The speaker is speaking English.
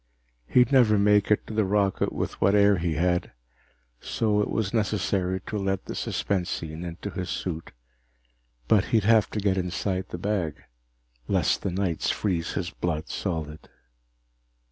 He'd never make it to the rocket with what air he had, so it was necessary to let the suspensine into his suit. But he'd have to get inside the bag, lest the nights freeze his blood solid.